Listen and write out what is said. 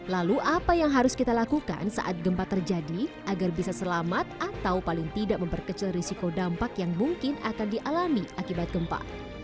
lalu apa yang harus kita lakukan saat gempa terjadi agar bisa selamat atau paling tidak memperkecil risiko dampak yang mungkin akan dialami akibat gempa